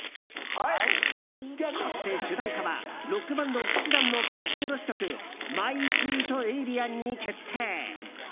そして、主題歌はロックバンド氣志團の書き下ろし曲「ＭＹＳＷＥＥＴＡＬＩＥＮ」に決定。